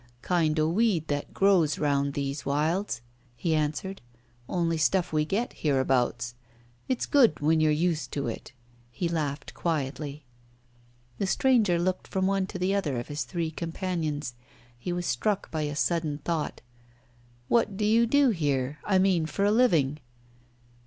"Kind o' weed that grows around these wilds," he answered. "Only stuff we get hereabouts. It's good when you're used to it." He laughed quietly. The stranger looked from one to the other of his three companions. He was struck by a sudden thought. "What do you do here? I mean for a living?"